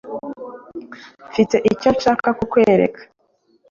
Mfite icyo nshaka kukwereka.